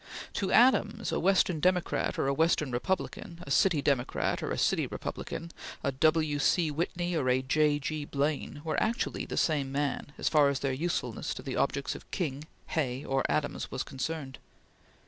To Adams a Western Democrat or a Western Republican, a city Democrat or a city Republican, a W. C. Whitney or a J. G. Blaine, were actually the same man, as far as their usefulness to the objects of King, Hay, or Adams was concerned.